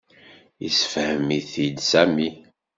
Yessefhem-it-id Sami.